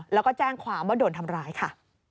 แล้วก็แจ้งความว่าโดนทำร้ายค่ะ